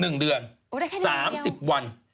ได้แค่นิดนึงเดียวอ๋อได้๓๐วัน